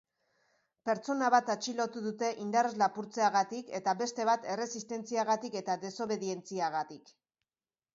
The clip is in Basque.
Pertsona bat atxilotu dute indarrez lapurtzeagatik eta beste bat erresistentziagatik eta desobedientziagatik.